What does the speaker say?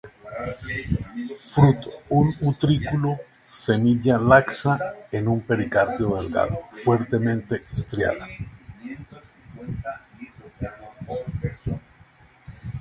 Fruto un utrículo; semilla laxa en un pericarpio delgado, fuertemente estriada.